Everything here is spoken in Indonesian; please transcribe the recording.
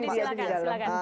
oke mas yudi silakan